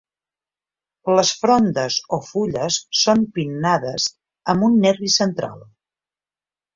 Les frondes o fulles són pinnades amb un nervi central.